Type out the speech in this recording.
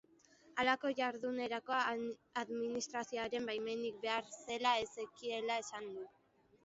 Halako jardunerako administrazioaren baimenik behar zela ez zekiela esan du.